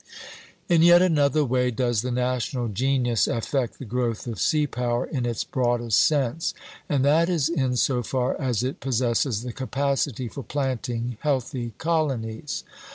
In yet another way does the national genius affect the growth of sea power in its broadest sense; and that is in so far as it possesses the capacity for planting healthy colonies.